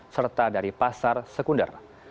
serta dari pasar sekunder